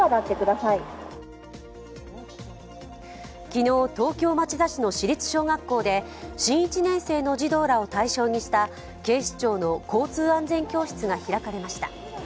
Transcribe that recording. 昨日、東京・町田市の市立小学校で新１年生の児童らを対象にした警視庁の交通安全教室が開かれました。